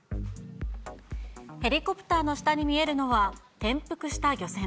ヘリコプターの下に見えるのは、転覆した漁船。